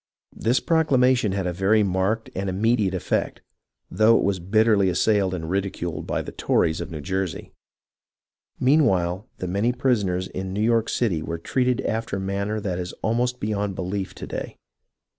This proclamation had a very marked and immediate effect, though it was bitterly assailed and ridiculed by the Tories of New Jersey. Meanwhile the many prisoners in New York City were treated after a manner that is almost beyond belief to day.